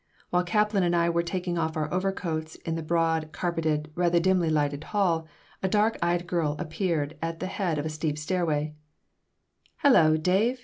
While Kaplan and I were taking off our overcoats in the broad, carpeted, rather dimly lighted hall, a dark eyed girl appeared at the head of a steep stairway "Hello, Dave!